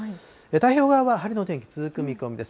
太平洋側は晴れの天気、続く見込みです。